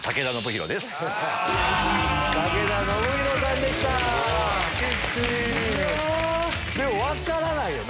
でも分からないよね。